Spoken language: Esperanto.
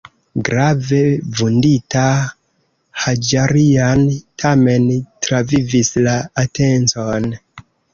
Grave vundita, Haĝarian tamen travivis la atencon.